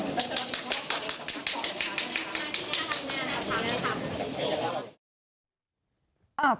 ขอบคุณครับ